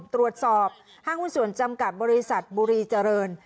ตรวจสอบห้างวิสุนจำกัดบริษัทบุรีเจริญ